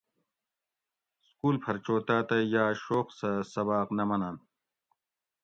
سکول پۤھر چو تاۤتہ یا شوق سہ سباۤق نہ منن